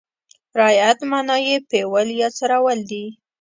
رعیت معنا یې پېول یا څرول دي.